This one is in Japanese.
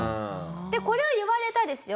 でこれを言われたですよ